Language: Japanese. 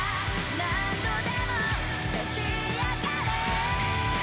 「何度でも立ち上がれ」